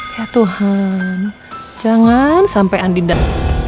ya tuhan jangan sampai andidam